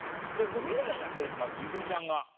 見ないじゃんテレビまず泉ちゃんが。